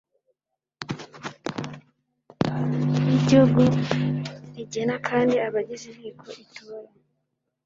y Igihugu rigena kandi abagize Inteko itora